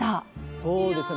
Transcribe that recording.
そうですよね。